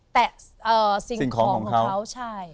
แต่สิ่งของของเขาใช่